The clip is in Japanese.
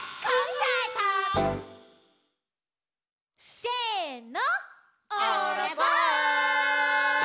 せの。